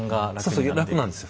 そうそう楽なんですよ。